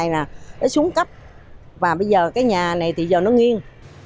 nó xuống cấp và bây giờ cái nhà này thì giờ nó nghiêng